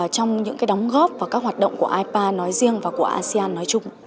trong những đóng góp và các hoạt động của ipa nói riêng và của asean nói chung